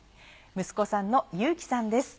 息子さんの有貴さんです。